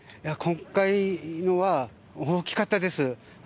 今回は大きかったです。